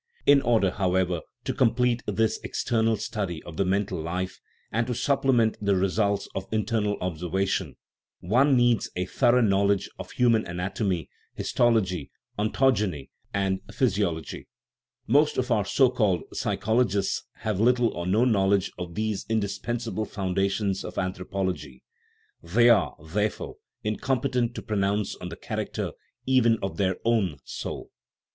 In order, however, to complete this external study of the mental life, and to supplement the results of internal observation, one needs a thorough knowl edge of human anatomy, histology, ontogeny, and physiology. Most of our so called " psychologists " have little or no knowledge of these indispensable foun dations of anthropology; they are, therefore, incom petent to pronounce on the character even of their own " soul."